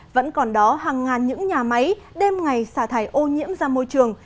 vẫn còn đó hàng ngàn những nhà máy đêm ngày xả thải ô nhiễm ra môi trường